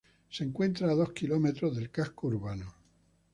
Se encuentra a dos kilómetros del casco urbano.